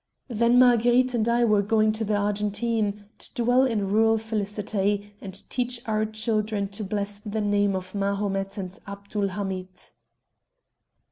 "Then Marguerite and I were going to the Argentine, to dwell in rural felicity, and teach our children to bless the name of Mahomet and Abdul Hamid."